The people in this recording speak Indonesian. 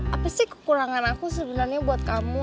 apa sih kekurangan aku sebenarnya buat kamu